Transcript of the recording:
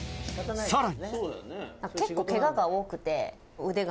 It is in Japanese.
さらに。